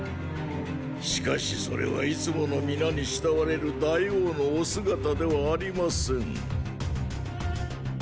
しかしそれはいつもの皆に慕われる大王のお姿ではありません。